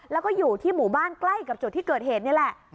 แล้วก็อยู่ที่หมู่บ้านใกล้กับจุดที่เกิดเหตุนี่แหละ